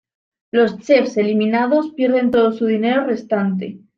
Los chefs eliminados pierden todo su dinero restante.